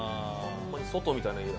外みたいな家だ。